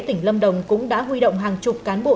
tỉnh lâm đồng cũng đã huy động hàng chục cán bộ